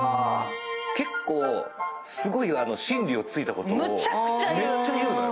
結構、すごい真理を突いたことをめっちゃ言うのよ。